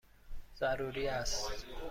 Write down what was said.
ضروری است!